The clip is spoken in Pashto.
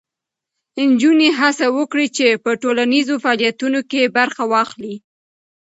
نجونې هڅه وکړي چې په ټولنیزو فعالیتونو کې برخه واخلي.